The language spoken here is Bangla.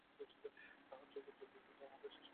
তাহার চোখে জল দেখিবার আগে আমাকে শেষ করিয়া ফেল।